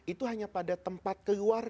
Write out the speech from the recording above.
itu hanya pada tempat keluar